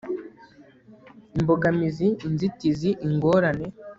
imbogamizi inzitizi, ingorane